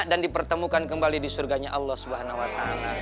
dan dipertemukan kembali di surganya allah swt